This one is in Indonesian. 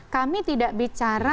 kami tidak bicara